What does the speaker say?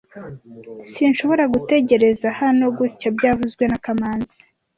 Sinshobora gutegereza hano gutya byavuzwe na kamanzi